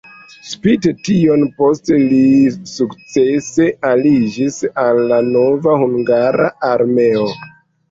Spite tion poste li sukcese aliĝis al la nova hungara armeo.